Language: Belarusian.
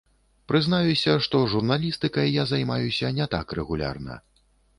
Прызнаюся, што журналістыкай я займаюся не так рэгулярна.